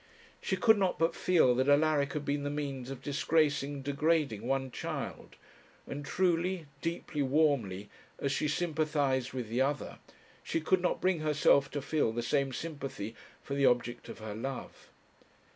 She could not but feel that Alaric had been the means of disgracing and degrading one child; and truly, deeply, warmly, as she sympathized with the other, she could not bring herself to feel the same sympathy for the object of her love.